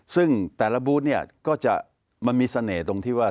ซึ่งแต่ละบูธเนี่ยก็จะมันมีเสน่ห์ตรงที่ว่า